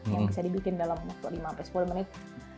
yang bisa dibikin dalam waktu lima sepuluh menit